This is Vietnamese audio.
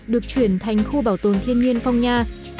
được chuyển thành khu bảo tồn thiên nhiên phong nha